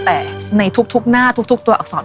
แต่ในทุกหน้าทุกตัวอักษร